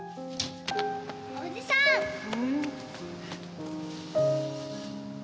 おじさん！